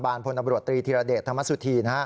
บาร์ตควรตำรวจตรีธีรเดชน์ธนมสุธี